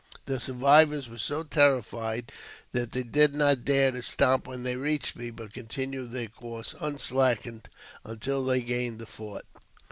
The survivors were so terrified that they did no dare to stop when they reached me, but continued their coursi unslackened until they gained the fort.